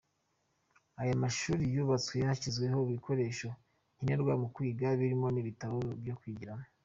Aya mashuri yubatswe yashyizweho ibikoresho nkenerwa mu kwiga birimo n’ibitabo byo kwigiramo.